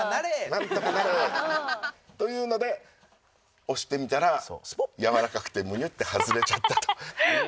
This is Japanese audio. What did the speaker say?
なんとかなれッ！というので押してみたらやわらかくてムニュッて外れちゃったと。